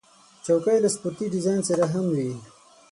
چوکۍ له سپورټي ډیزاین سره هم وي.